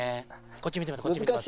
こっち見てますこっち見てます。